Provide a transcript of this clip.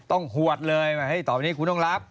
ต้องหวัดเลยตอนนี้คือคุณต้องรับ